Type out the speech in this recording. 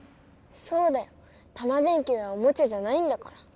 そうだよタマ電Ｑはおもちゃじゃないんだから。